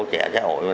trẻ trái hội vô nè